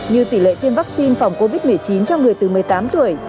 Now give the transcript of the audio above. như tỷ lệ tiêm vaccine phòng covid một mươi chín cho người từ một mươi tám tuổi